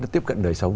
nó tiếp cận đời sống